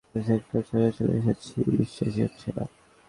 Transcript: আমি স্যাঙ্কটাম স্যাংচুরিয়ামে চলে এসেছি, বিশ্বাসই হচ্ছে না!